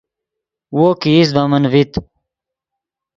وو کہ ایست ڤے من ڤیت